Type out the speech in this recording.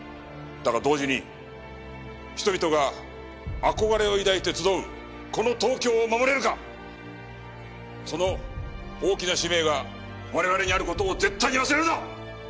だが同時に人々が憧れを抱いて集うこの東京を守れるかその大きな使命が我々にある事を絶対に忘れるな！